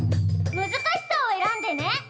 難しさを選んでね。